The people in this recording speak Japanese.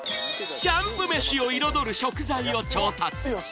キャンプ飯を彩る食材を調達！